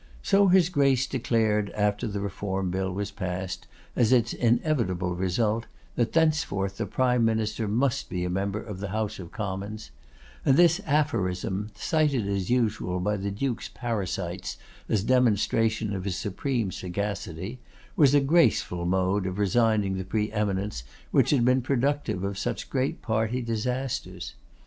So his Grace declared after the Reform Bill was passed, as its inevitable result, that thenceforth the Prime Minister must be a member of the House of Commons; and this aphorism, cited as usual by the Duke's parasites as demonstration of his supreme sagacity, was a graceful mode of resigning the preeminence which had been productive of such great party disasters.